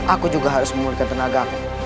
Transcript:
aku juga harus menggunakan tenagaku